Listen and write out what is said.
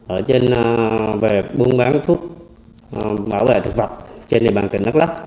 ở trên về buôn bán thuốc bảo vệ thực vật trên địa bàn tỉnh đắk lắc